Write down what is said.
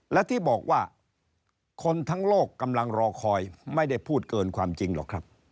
และที่บอกว่าคนทั้งโลกกำลังรอคอยไม่ได้พูดเกินความจริงหรอกครับ